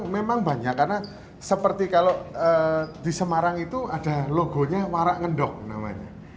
memang banyak karena seperti kalau di semarang itu ada logonya warak ngendok namanya